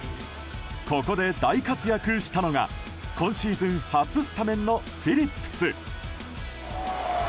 ここで大活躍したのが今シーズン初スタメンのフィリップス。